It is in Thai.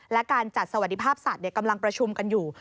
และการจัดสวัสดิภาพสัตว์กำลังประชุมกันอยู่